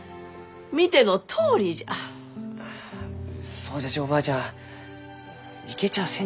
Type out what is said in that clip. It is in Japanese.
そうじゃちおばあちゃん生けちゃあせんじゃろう。